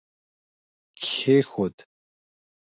کښېښود